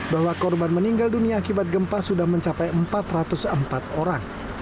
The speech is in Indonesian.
bahwa korban meninggal dunia akibat gempa sudah mencapai empat ratus empat orang